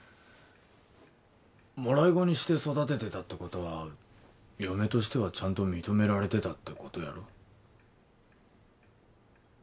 もらい子にして育ててたってことは嫁としてはちゃんと認められてたってことやろ？